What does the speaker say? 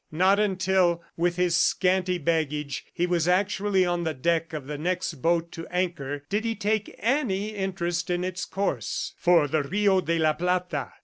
Not until, with his scanty baggage, he was actually on the deck of the next boat to anchor, did he take any interest in its course "For the Rio de la Plata."